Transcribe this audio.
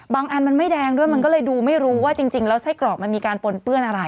อันมันไม่แดงด้วยมันก็เลยดูไม่รู้ว่าจริงแล้วไส้กรอกมันมีการปนเปื้อนอะไร